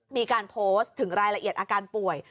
มีการโพสต์ถึงรายละเอียดอาการป่วย